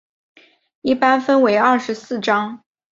一般分为二十四章。